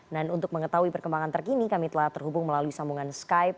dan untuk mengetahui perkembangan terkini kami telah terhubung melalui sambungan skype